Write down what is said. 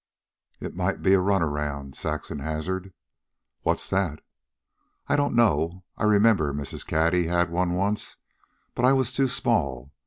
"It might be a run around," Saxon hazarded. "What's that?" "I don't know. I remember Mrs. Cady had one once, but I was too small.